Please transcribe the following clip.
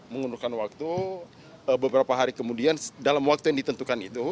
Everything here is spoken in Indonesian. mengundurkan waktu beberapa hari kemudian dalam waktu yang ditentukan itu